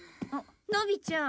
のびちゃん。